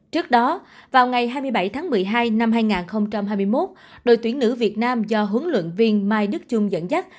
trước đó vào ngày hai mươi bảy tháng một mươi hai năm hai nghìn hai mươi một đội tuyển nữ việt nam do huấn luyện viên mai đức trung dẫn dắt